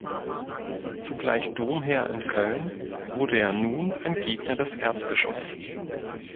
Zugleich Domherr in Köln, wurde er nun ein Gegner des Erzbischofs.